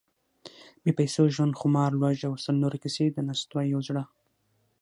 بې پیسو ژوند، خمار، لوږه… او سل نورې کیسې، د نستوه یو زړهٔ: